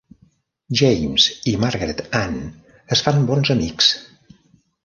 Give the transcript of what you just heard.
James i Margaret Anne es fan bons amics.